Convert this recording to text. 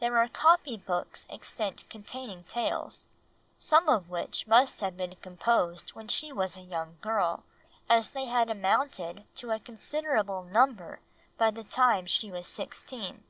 There are copy books extant containing tales, some of which must have been composed while she was a young girl, as they had amounted to a considerable number by the time she was sixteen.